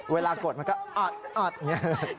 เวลากดมันก็อ๊อดอย่างเนี่ย